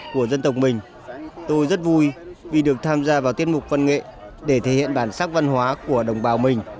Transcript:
của dân tộc mình tôi rất vui vì được tham gia vào tiết mục văn nghệ để thể hiện bản sắc văn hóa của đồng bào mình